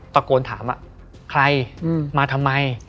ตะโกนถามว่าใครมาทำไม